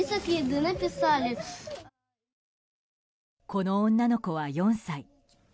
この女の子は４歳。